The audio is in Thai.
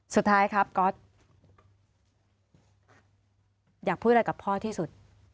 สุดท้ายครับก๊อตอยากพูดอะไรกับพ่อที่สุด